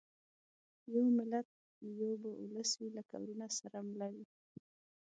یو ملت یو به اولس وي لکه وروڼه سره مله وي